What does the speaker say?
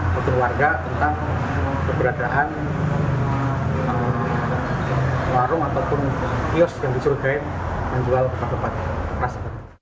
atau keluarga tentang keberadaan warung ataupun kiosk yang disuruhkan menjual obat obat keras